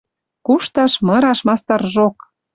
Кушташ, мыраш мастаржок.